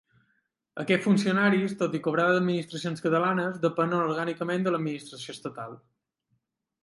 Aquests funcionaris, tot i cobrar d’administracions catalanes, depenen orgànicament de l’administració estatal.